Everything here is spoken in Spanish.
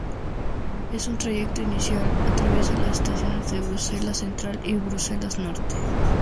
En su trayecto inicial atraviesa las estaciones de Bruselas-Central y Bruselas-Norte.